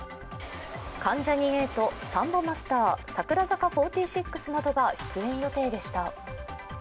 関ジャニ∞、サンボマスター、櫻坂４６などが出演予定でした。